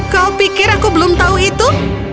kau pikir aku belum tahu itu